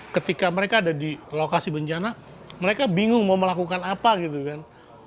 ketika mereka ada di lokasi bencana mereka bingung mau melakukan apa gitu kan